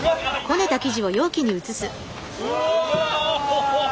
うわ！